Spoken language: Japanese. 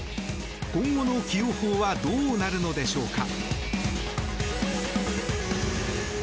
今後の起用法はどうなるのでしょうか。